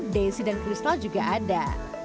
daisy dan kristal juga ada